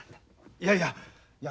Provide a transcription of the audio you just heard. いやいやいや。